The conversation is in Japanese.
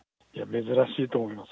珍しいと思います。